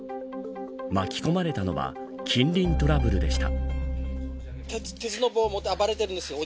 巻き込まれたのは近隣トラブルでした。